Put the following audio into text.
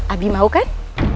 abi mau kan